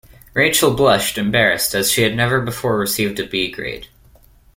Rachel blushed, embarrassed, as she had never before received a B grade.